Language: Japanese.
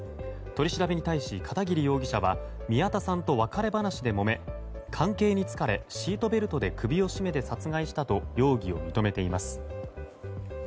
取り調べに対し、片桐容疑者は宮田さんと別れ話でもめ関係に疲れ、シートベルトで首を絞めて殺害したと容疑を認めています。